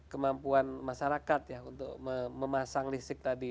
kemampuan masyarakat ya untuk memasang listrik tadi